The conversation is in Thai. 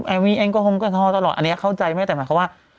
แอมพี่เองก็คงกล้องทอดตลอดอันนี้เข้าใจไหมแต่หมายความว่า